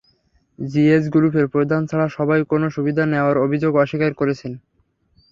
GS গ্রুপের প্রধান ছাড়া সবাই কোনো সুবিধা নেওয়ার অভিযোগ অস্বীকার করেছেন।